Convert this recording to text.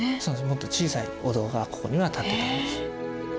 もっと小さいお堂がここには建ってたんです。